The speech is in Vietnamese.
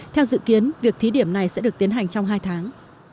theo dự kiến việc thí điểm này sẽ được tiến hành trong hai tháng